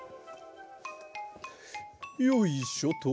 よいしょと。